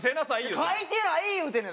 書いてない言うてんねん。